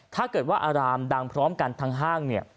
ถ้าเกิดว่าอารามดังพร้อมกันทางห้างเนี่ย